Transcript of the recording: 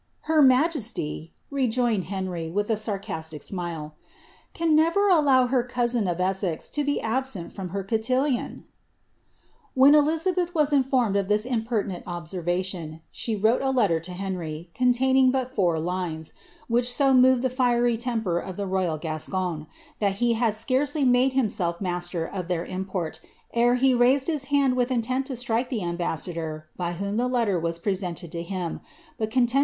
'"Her majesty," rejoined Henry, with a sarcastic smile, •*(: never allow her cousin of Esses lo be absent from her coiillioi , When Elizabeth was informed of this impertinent observalioa, she wrote a letter to Ileiirj , containing bnt four lines, which so moved iht iiery temper of the royal Gascon, that he bad scarcely made hiiwelf master of their import ere he raised his hand with intent to strike the ambassador by whom the letter was presented lo him, bui conienlw!